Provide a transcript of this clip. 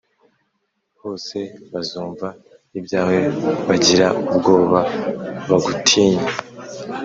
hose bazumva ibyawe bagira ubwoba bagutinye.